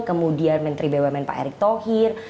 kemudian menteri bw men pak erik thohir